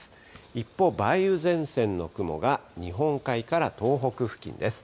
一方、梅雨前線の雲が日本海から東北付近です。